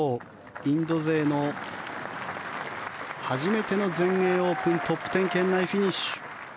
インド勢の初めての全英オープントップ１０圏内フィニッシュ。